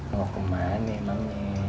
mau ke mana emang ya